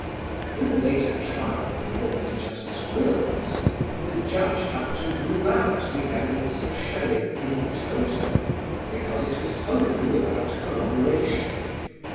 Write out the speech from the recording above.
In the later trial before Mr. Justice Wills the Judge had to rule out the evidence of Shelley in toto, because it was wholly without corroboration.